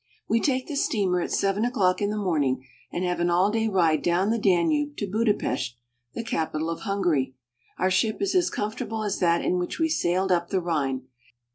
WE take the steamer at seven o'clock in the morning and have an all day ride down the Danube to Buda pest, the capital of Hungary. Our ship is as comfortable as that in which we sailed up the Rhine.